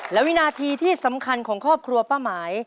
และวินาทีที่สำคัญของครอบครัวป้าหมาย